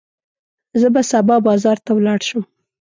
زه به سبا بازار ته ولاړ شم.